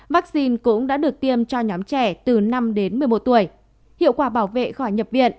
vaccine cũng đã được tiêm cho nhóm trẻ từ năm đến một mươi một tuổi hiệu quả bảo vệ khỏi nhập viện